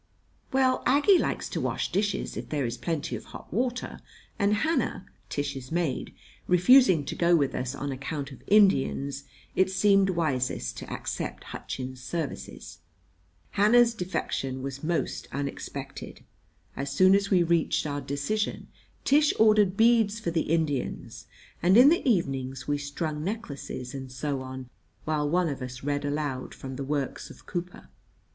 Well, Aggie likes to wash dishes if there is plenty of hot water; and Hannah, Tish's maid, refusing to go with us on account of Indians, it seemed wisest to accept Hutchins's services. Hannah's defection was most unexpected. As soon as we reached our decision, Tish ordered beads for the Indians; and in the evenings we strung necklaces, and so on, while one of us read aloud from the works of Cooper.